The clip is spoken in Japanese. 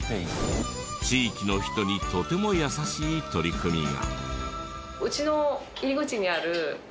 地域の人にとても優しい取り組みが。